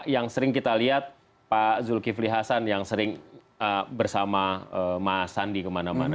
yang sering kita lihat pak zulkifli hasan yang sering bersama mas sandi kemana mana